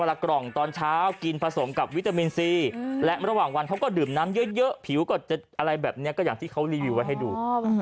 ละกล่องตอนเช้ากินผสมกับวิตามินซีและระหว่างวันเขาก็ดื่มน้ำเยอะผิวก็จะอะไรแบบนี้ก็อย่างที่เขารีวิวไว้ให้ดู